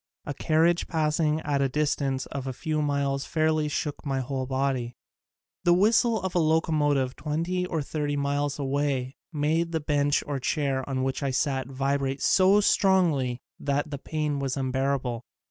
A carriage passing at a distance of a few miles fairly shook my whole body. The whistle of a locomotive twenty or thirty miles away made the bench or chair on which I sat vi brate so strongly that the pain was unbear able.